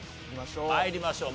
参りましょう。